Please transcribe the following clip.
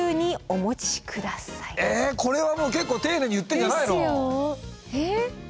えこれはもう結構丁寧に言ってんじゃないの？